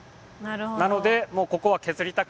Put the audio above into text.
なのでもうここは削りたくない。